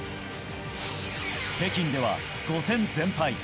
北京では５戦全敗。